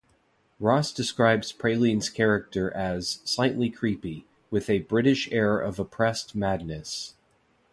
Ross describes Praline's character as "slightly creepy", with a "British air of oppressed madness".